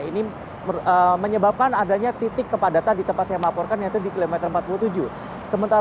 ini menyebabkan adanya titik kepadatan di tempat saya melaporkan yaitu di kilometer empat puluh tujuh